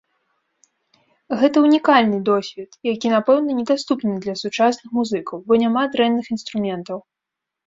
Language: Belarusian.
Гэта ўнікальны досвед, які, напэўна, недаступны для сучасных музыкаў, бо няма дрэнных інструментаў.